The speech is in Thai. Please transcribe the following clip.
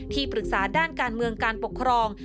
ที่ปรึกษาด้านการเมืองการปกครอง